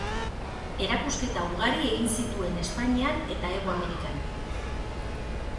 Erakusketa ugari egin zituen Espainian eta Hego Amerikan.